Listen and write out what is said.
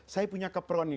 saya punya keperluan